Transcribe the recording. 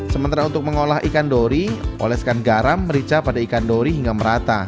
sementara untuk mengolah ikan dori oleskan garam merica pada ikan dori hingga merata